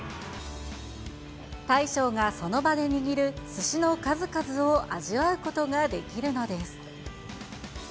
大将がその場で握るすしの数々を味わうことができるのです。